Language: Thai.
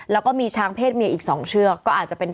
แล้วก็มีช้างเพศเมียอีกสองเชือก